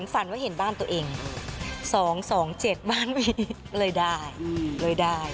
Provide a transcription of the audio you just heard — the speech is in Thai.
ฝันว่าเห็นบ้านตัวเอง๒๒๗บ้านเรือยได้